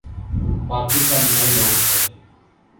باقی سب نئے لوگ تھے۔